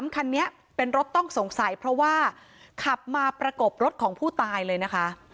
คันนี้เป็นรถต้องสงสัยเพราะว่าขับมาประกบรถของผู้ตายเลยนะคะ